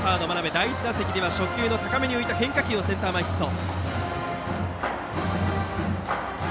第１打席では初球の高めに浮いた変化球をセンター前ヒット。